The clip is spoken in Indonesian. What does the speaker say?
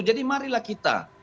jadi marilah kita